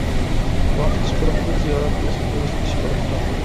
ۋاقىت چىقىرىپ بىر زىيارەت قىلىشقا تېگىشلىك ئىش بولۇپتۇ.